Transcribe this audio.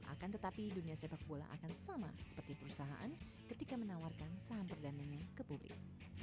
akan tetapi dunia sepak bola akan sama seperti perusahaan ketika menawarkan saham perdananya ke publik